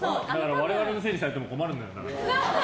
我々のせいにされても困るのよ。